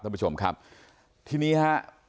ท่านผู้ชมครับทีนี้ฮะ